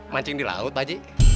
mancing di laut pak haji